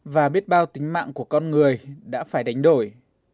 và biết bao tính mạng của con người đã phải đánh đổi